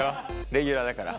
レギュラーだから。